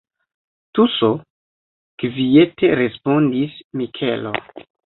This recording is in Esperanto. Tuso, kviete respondis Mikelo.